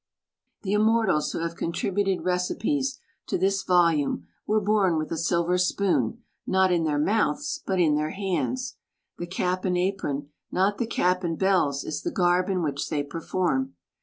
The immortals who have contributed recipes to this volume were born with a silver spoon not in their mouths, but in their hands. The cap and apron, not the cap and bells, is the garb in which they perform.